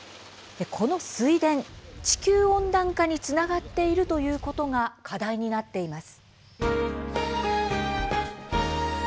この水田、地球温暖化につながっているということが課題になっています。